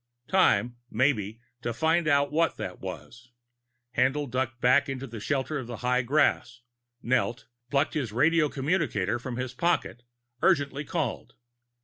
Time, maybe, to find out what that was! Haendl ducked back into the shelter of the high grass, knelt, plucked his radio communicator from his pocket, urgently called.